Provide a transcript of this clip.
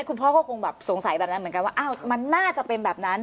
คุณพ่อก็คงแบบสงสัยแบบนั้นเหมือนกันว่ามันน่าจะเป็นแบบนั้น